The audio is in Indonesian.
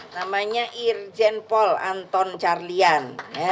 namanya irjen paul anton carlian